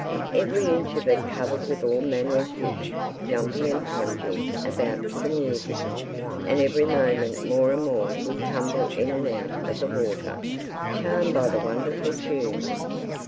Every inch of it covered with all manner of fish jumping and plunging about to the music, and every moment more and more would tumble in and out of the water, charmed by the wonderful tune.